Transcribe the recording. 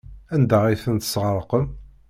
Anda ay ten-tesɣerqem?